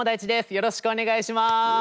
よろしくお願いします！